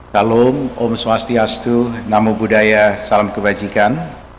salam om swastiastu namo buddhaya salam kebajikan